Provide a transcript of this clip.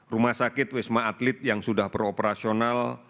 rumah sakit wisma atlet yang sudah beroperasional